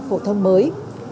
phổ thông mới